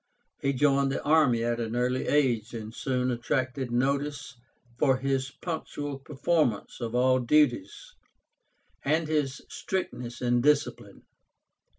He joined the army at an early age, and soon attracted notice for his punctual performance of all duties, and his strictness in discipline.